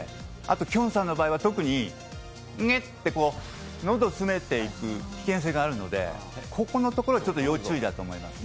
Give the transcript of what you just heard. きょんさんの場合は特に、ねって喉を詰めていく危険性があるのでここのところは要注意だと思いますね。